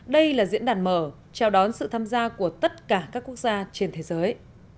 đây là diễn đàn mở chào đón sự tham gia của tất cả các quốc gia trên thế giới